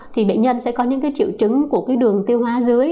thì bệnh nhân sẽ có những cái triệu chứng của cái đường tiêu hóa dưới